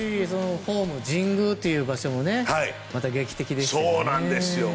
ホーム、神宮という場所もまた劇的でしたよね。